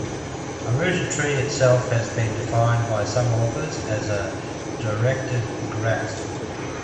A rooted tree itself has been defined by some authors as a directed graph.